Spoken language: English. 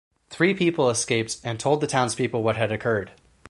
Three people escaped and told the townspeople what had occurred.